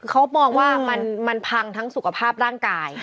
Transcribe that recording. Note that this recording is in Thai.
เขามองว่ามันพังทั้งสุขภาพร่างกาย